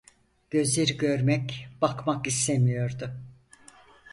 Gözleri görmek bakmak istemiyordu.